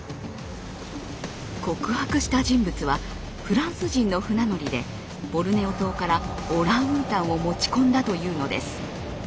告白した人物はフランス人の船乗りでボルネオ島からオランウータンを持ち込んだというのです。